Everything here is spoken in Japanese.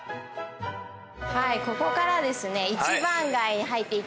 ここからですね。